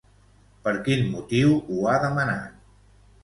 Per quin motiu ho ha demanat?